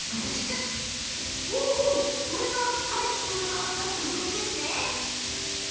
これが廃棄されるはずだったうどんですね。